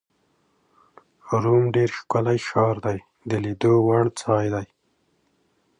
روم ډېر ښکلی ښار دی، د لیدو وړ ځای دی.